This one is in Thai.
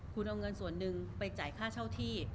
คุณเอาเงินส่วนหนึ่งไปจ่ายค่าเช่าที่